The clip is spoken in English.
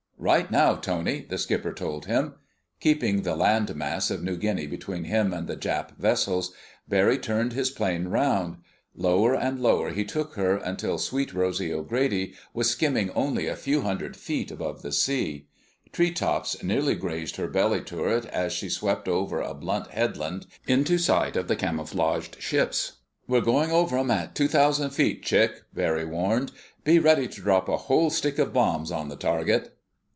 "Right now, Tony!" the skipper told him. Keeping the land mass of New Guinea between him and the Jap vessels, Barry turned his plane around. Lower and lower he took her, until Sweet Rosy O'Grady was skimming only a few hundred feet above the sea. Tree tops nearly grazed her belly turret as she swept over a blunt headland, into sight of the camouflaged ships. "We're going over 'em at two thousand feet, Chick," Barry warned. "Be ready to drop a whole stick of bombs on the target."